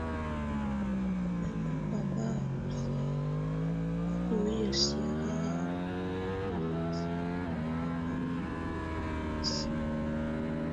Lɛna baba ɔsia ba ndɔ wɛya siə haha ɔ nieleti nɛ baba Yohanɛs.